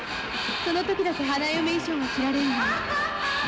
「その時だけ花嫁衣装が着られるのよ」。